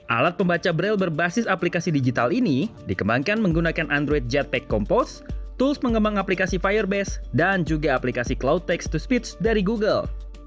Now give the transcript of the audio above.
alat pembaca braille berbasis aplikasi digital ini dikembangkan menggunakan android jet pack compos tools mengembang aplikasi firebase dan juga aplikasi cloud tax to speech dari google